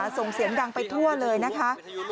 ส่งเสียงดังไปทั่วเลยนะคะ